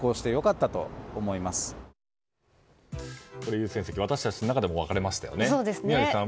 優先席は私たちの中でも分かれましたよね。